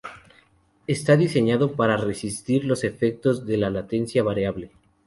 Está diseñado para resistir los efectos de la latencia variable.